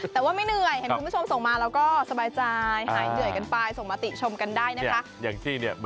แต่ว่าไม่เหนื่อยสบายจ่ายไฟส่งมาติชมกันได้นะคะ